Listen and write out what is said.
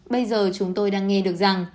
bây giờ chúng tôi đang nghe được rằng